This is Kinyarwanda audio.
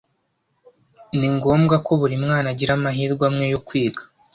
Ni ngombwa ko buri mwana agira amahirwe amwe yo kwiga.